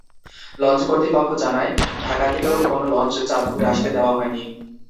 Launch কর্তৃপক্ষ জানায়, ঢাকা থেকেও কোনো লঞ্চ চাঁদপুরে আসতে দেওয়া হয়নি।